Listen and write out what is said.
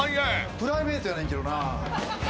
プライベートやねんけどなあ。